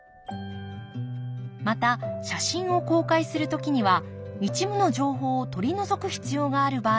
また写真を公開する時には一部の情報を取り除く必要がある場合もあります。